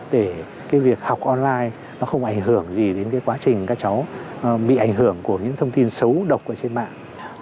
để cái việc học online nó không ảnh hưởng gì đến cái quá trình các cháu bị ảnh hưởng của những thông tin xấu độc ở trên mạng